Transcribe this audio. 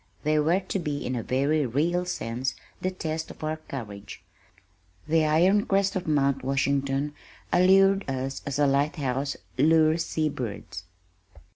They were to be in a very real sense the test of our courage. The iron crest of Mount Washington allured us as a light house lures sea birds.